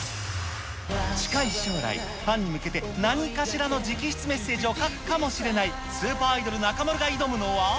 近い将来、ファンに向けて何かしらの直筆メッセージを書くかもしれない、スーパーアイドル、中丸が挑むのは。